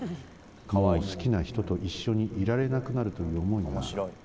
もう好きな人と一緒にいられなくなるという思いが